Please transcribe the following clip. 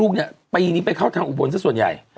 ปีนี้เข้าทางอุบนซะส่วนใหญ่